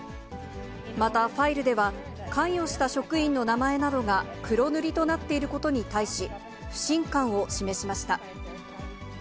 また、ファイルでは、関与した職員の名前などが黒塗りとなっていることに対し、不信感を示しました。